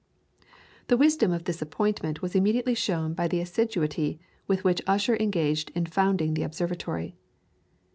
The wisdom of the appointment was immediately shown by the assiduity with which Ussher engaged in founding the observatory.